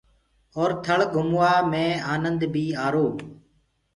اور ٿݪ گھموا مي ڏآڍو آنند بيٚ آرو۔